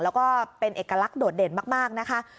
แล้วก็เป็นเอกลักษณ์โดดเด่นมากนะคะ